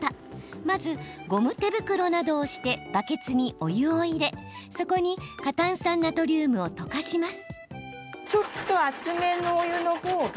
まず、ゴム手袋などをしてバケツにお湯を入れ、そこに過炭酸ナトリウムを溶かします。